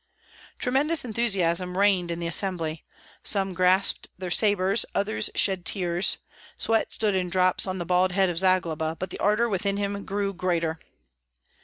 Tremendous enthusiasm reigned in the assembly. Some grasped their sabres, others shed tears; sweat stood in drops on the bald head of Zagloba, but the ardor within him grew greater.